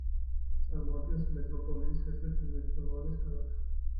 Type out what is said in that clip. წარმოადგენს მეტროპოლიის ერთ-ერთ უმნიშვნელოვანეს ქალაქს.